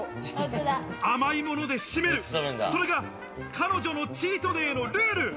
甘いもので締める、それが彼女のチートデイのルール。